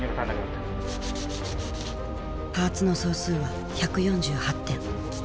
パーツの総数は１４８点。